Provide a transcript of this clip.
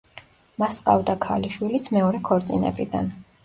მას ჰყავდა ქალიშვილიც მეორე ქორწინებიდან.